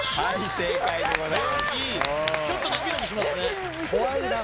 正解でございます。